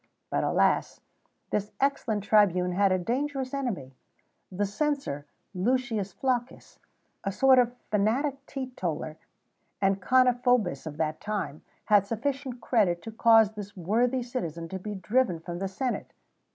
But, alas! this excellent tribune had a dangerous enemy: the censor, Lucius Flaccus, a sort of fanatic teetotaller and carniphobis of that time, had sufficient credit to cause this worthy citizen to be driven from the senate.